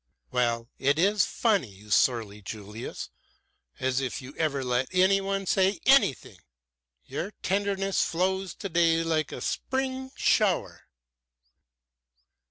"Well, that is funny, you surly Julius. As if you ever let any one say anything! Your tenderness flows today like a spring shower."